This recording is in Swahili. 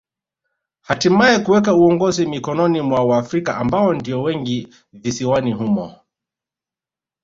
Hatimae kuweka uongozi mikononi mwa Waafrika ambao ndio wengi visiwani humo